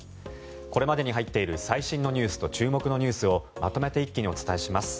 これまでに入っている最新ニュースと注目ニュースをまとめて一気にお伝えします。